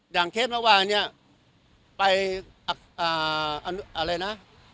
อย่างเขตเมื่อวานเนี้ยไปอ่าอันอะไรนะ